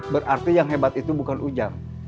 berarti yang hebat itu bukan ujar